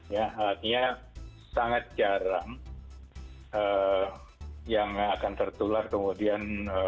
ya artinya sangat jarang yang akan tertular kemudian